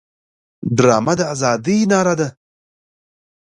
ډرامه د ازادۍ ناره ده